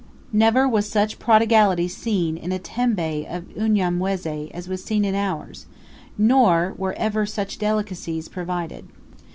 Never was such prodigality seen in a tembe of Unyamwezi as was seen in ours, nor were ever such delicacies provided.